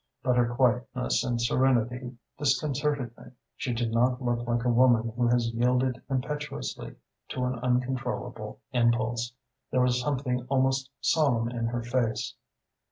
But her quietness and serenity disconcerted me. She did not look like a woman who has yielded impetuously to an uncontrollable impulse. There was something almost solemn in her face.